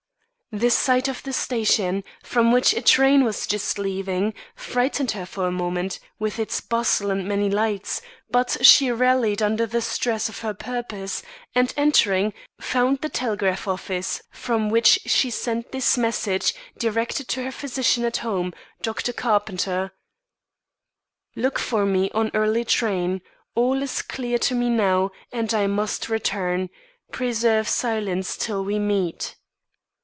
The sight of the station, from which a train was just leaving, frightened her for a moment with its bustle and many lights; but she rallied under the stress of her purpose, and, entering, found the telegraph office, from which she sent this message, directed to her physician, at home, Dr. Carpenter: "Look for me on early train. All is clear to me now, and I must return. Preserve silence till we meet."